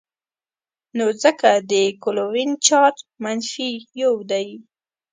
نو ځکه د کلوین چارج منفي یو دی.